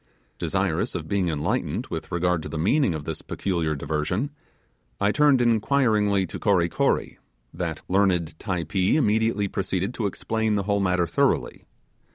Desirous of being enlightened in regard to the meaning of this peculiar diversion, I turned, inquiringly to Kory Kory; that learned Typee immediately proceeded to explain the whole matter thoroughly.